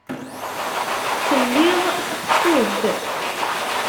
Tellid tqeṭṭuḍ-d.